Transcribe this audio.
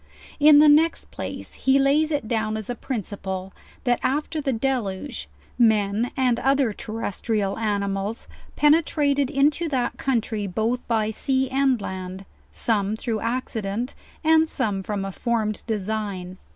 In the next place he lays it down as a principle, that aftet 11 162 JOURNAL OF the deluge, men and other terrestrial animals penetrated in to that country both by sea and land; some through accident, and somo from a formed design.